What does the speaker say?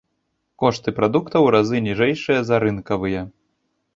Кошты прадуктаў у разы ніжэйшыя за рынкавыя.